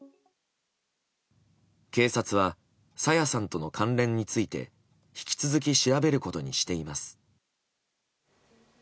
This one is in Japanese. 警察は朝芽さんとの関連について引き続き調べることにしています。